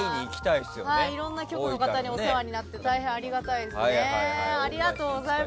いろいろな局の方にお世話になってありがたいです。